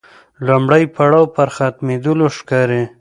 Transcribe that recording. لومړی پړاو پر ختمېدلو ښکاري.